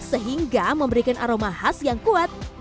sehingga memberikan aroma khas yang kuat